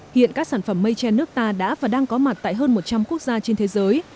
hiện các sản phẩm mây tre nước ta đã và đang có mặt tại hơn một trăm linh quốc gia trên thế giới